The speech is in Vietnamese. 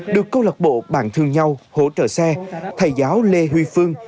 được câu lạc bộ bàn thương nhau hỗ trợ xe thầy giáo lê huy phương